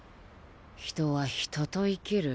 人は人と生きる。